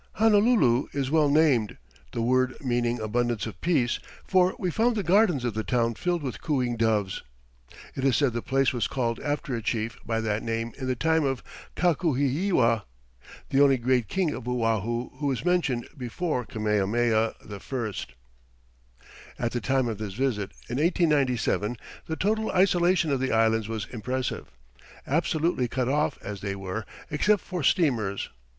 Honolulu is well named, the word meaning "abundance of peace," for we found the gardens of the town filled with cooing doves. It is said the place was called after a chief by that name in the time of Kakuhihewa, the only great king of Oahu who is mentioned before Kamehameha I. At the time of this visit, in 1897, the total isolation of the Islands was impressive, absolutely cut off, as they were, except for steamers.